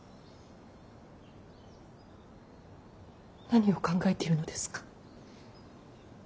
何を考えているのですか。